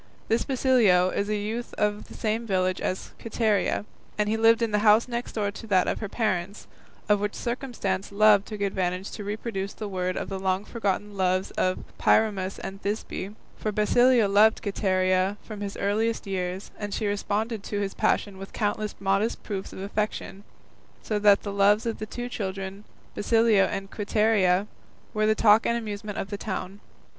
This Basilio is a youth of the same village as Quiteria, and he lived in the house next door to that of her parents, of which circumstance Love took advantage to reproduce to the word the long forgotten loves of Pyramus and Thisbe; for Basilio loved Quiteria from his earliest years, and she responded to his passion with countless modest proofs of affection, so that the loves of the two children, Basilio and Quiteria, were the talk and the amusement of the town.